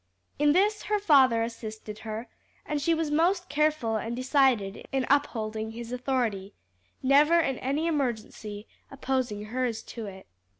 In this her father assisted her, and she was most careful and decided in upholding his authority, never in any emergency opposing hers to it.